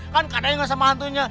kan kadang inget sama antunya